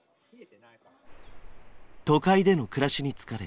都会での暮らしに疲れ